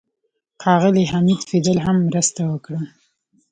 ښاغلي حمید فیدل هم مرسته وکړه.